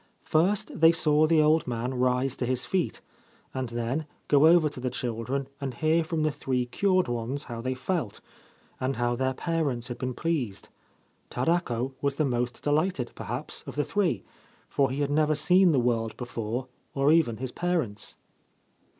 First they saw the old man rise to his feet, and then go over to the children and hear from the three cured ones how they felt, and how their parents had been pleased. Tarako was the most delighted, perhaps, of the three ; for he had never seen the world before, or even his parents.